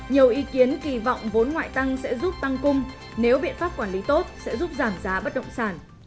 nhiều ý kiến kỳ vọng vốn ngoại tăng sẽ giúp tăng cung nếu biện pháp quản lý tốt sẽ giúp giảm giá bất động sản